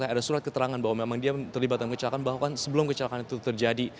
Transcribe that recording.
ada surat keterangan bahwa memang dia terlibat dalam kecelakaan bahwa kan sebelum kecelakaan itu terjadi